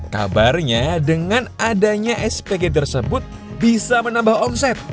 kabarnya dengan adanya spg tersebut bisa menambah omset